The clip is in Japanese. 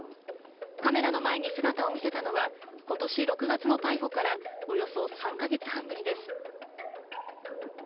カメラの前に姿を見せたのは、ことし６月の逮捕から、およそ３か月半ぶりです。